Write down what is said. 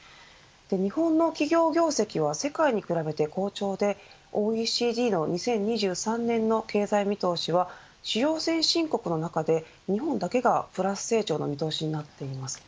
日本の企業功績は世界に比べて好調でＯＥＣＤの２０２３年の経済見通しは主要先進国の中で日本だけがプラス成長の見通しになっています。